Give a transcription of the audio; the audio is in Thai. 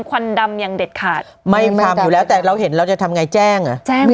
ควันดำอย่างเด็ดขาดไม่ทำอยู่แล้วแต่เราเห็นเราจะทำไงแจ้งอ่ะแจ้ง